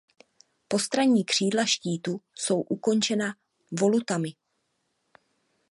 Postranní křídla štítu jsou ukončena volutami.